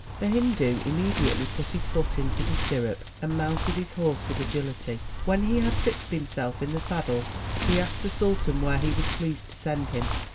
The Hindu immediately put his foot into the stirrup, and mounted his horse with agility. When he had fixed himself in the saddle, he asked the sultan where he was pleased to send him.